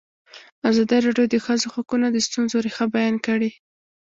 ازادي راډیو د د ښځو حقونه د ستونزو رېښه بیان کړې.